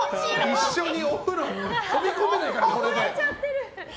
一緒にお風呂に飛び込めないから、これで。